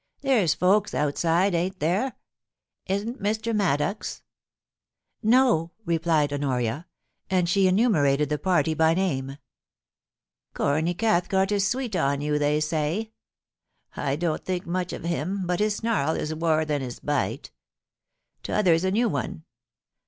There^s folks outside, ain't there ? Is't Mr. Maddox ?* No,' replied Honoria ; and she enumerated the part}' by name * Corny Cathcart is sweet on you, they say. I don't think much of him, but his snarl is waur than his bite. T'other's a new one.